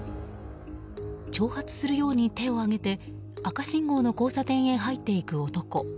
挑発するように手を上げて赤信号の交差点へ入っていく男。